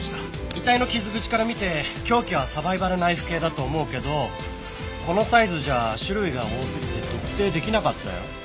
遺体の傷口から見て凶器はサバイバルナイフ系だと思うけどこのサイズじゃ種類が多すぎて特定できなかったよ。